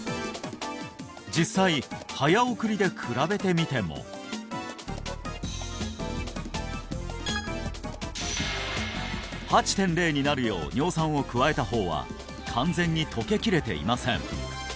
実際早送りで比べてみても８．０になるよう尿酸を加えた方は完全に溶けきれていません